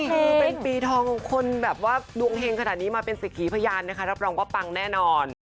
คือเป็นปีทองคนแบบว่าดวงเฮงขนาดนี้มาเป็นสักขีพยานนะคะรับรองว่าปังแน่นอน